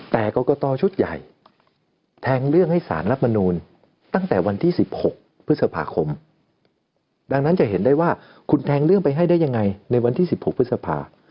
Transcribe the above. แต่กรกตชุดใหญ่แทงเรื่องให้สารรัฐมนูลตั้งแต่วันที่๑๖พฤษภาคมดังนั้นจะเห็นได้ว่าคุณแทงเรื่องไปให้ได้ยังไงในวันที่๑๖พฤษภา